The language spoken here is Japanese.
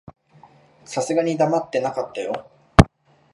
さすがに黙ってなかったよ。